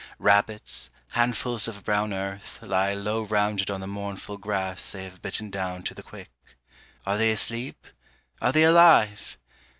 Rabbits, handfuls of brown earth, lie Low rounded on the mournful grass they have bitten down to the quick. Are they asleep? Are they alive?